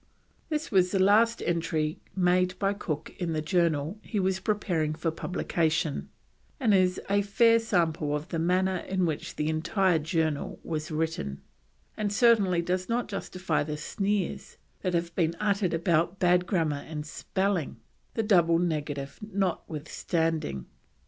This is the last entry made by Cook in the Journal he was preparing for publication, and is a fair sample of the manner in which the entire Journal was written, and certainly does not justify the sneers that have been uttered about bad grammar and spelling, the double negative notwithstanding.